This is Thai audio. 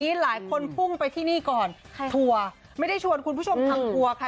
หลายคนพุ่งไปที่นี่ก่อนทัวร์ไม่ได้ชวนคุณผู้ชมทำทัวร์ค่ะ